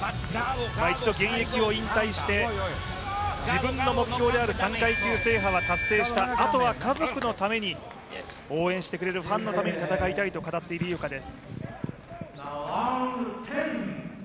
一度現役を引退して自分の目標である３階級制覇は達成した、あとは家族のために応援してくれるファンのために戦いたいと語っている井岡です。